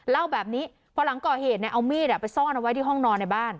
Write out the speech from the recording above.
เล่าแบบนี้พอหลังก่อเหตุเนี่ยเอามีดไปซ่อนเอาไว้ที่ห้องนอนในบ้าน